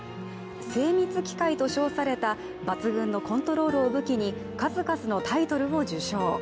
精密機械と称された抜群のコントロールを武器に数々のタイトルを受賞。